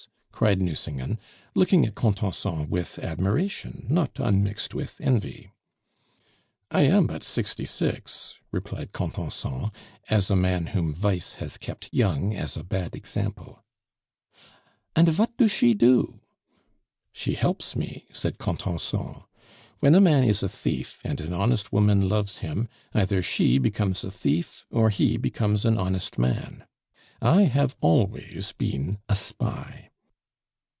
cried Nucingen, looking at Contenson with admiration not unmixed with envy. "I am but sixty six," replied Contenson, as a man whom vice has kept young as a bad example. "And vat do she do?" "She helps me," said Contenson. "When a man is a thief, and an honest woman loves him, either she becomes a thief or he becomes an honest man. I have always been a spy."